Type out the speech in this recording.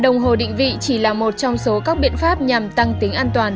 đồng hồ định vị chỉ là một trong số các biện pháp nhằm tăng tính an toàn